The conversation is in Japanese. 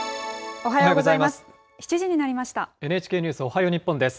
おはようございます。